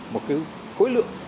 một cái khối lượng